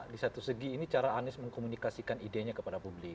di satu segi ini cara anies mengkomunikasikan idenya kepada publik